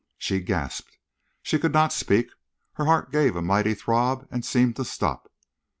She gasped. She could not speak. Her heart gave a mighty throb and seemed to stop.